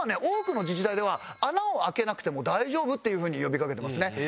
多くの自治体では穴を開けなくても大丈夫っていうふうに呼びかけてますね。